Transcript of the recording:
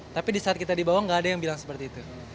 tapi di saat kita di bawah nggak ada yang bilang seperti itu